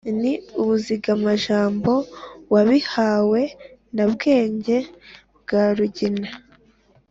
ni umuzigamajambo wabihawe na bwenge bwa rugira.